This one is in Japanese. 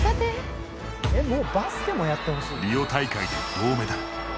リオ大会で銅メダル。